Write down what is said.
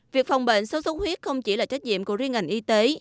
việc phòng bệnh sốt xuất huyết không chỉ là trách nhiệm của riêng ngành y tế